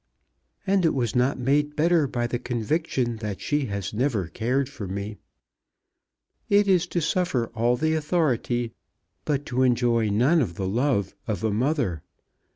"And it was not made better by the conviction that she has never cared for me. It is to suffer all the authority, but to enjoy none of the love of a mother.